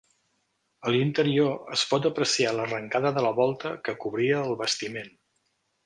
A l'interior es pot apreciar l'arrencada de la volta que cobria el bastiment.